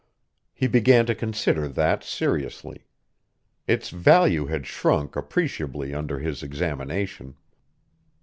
He began to consider that seriously. Its value had shrunk appreciably under his examination.